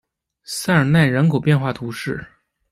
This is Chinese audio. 塞尔奈人口变化图示